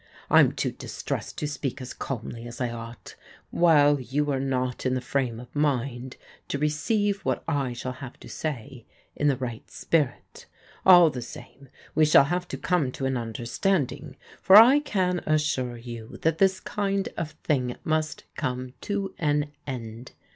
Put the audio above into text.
I'm too distressed to speak as calmly as I ought, while you are not in the frame of mind to re ceive, what I shall have to say, in the right spirit* All the same we shall have to come to an understanding, for I can assure you that this kind of thing must come to an end.